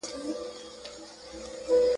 موږ به یې هېر کړو خو نه هیریږي ,